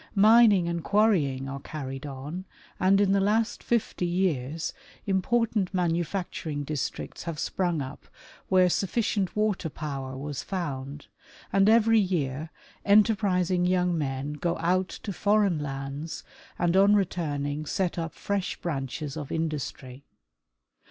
Mining and quarrying are carried on, and in the last fifty years important manufacturing districts have sprung up where sufficient water power was found, and every year enter prising young men go out to foreign lands and on returning set up fresh branches of industry.